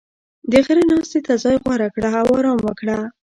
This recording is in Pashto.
• د غره ناستې ته ځای غوره کړه او آرام وکړه.